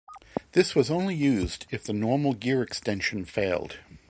This was only used if the normal gear extension failed.